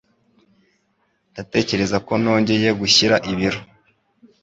Ndatekereza ko nongeye gushyira ibiro.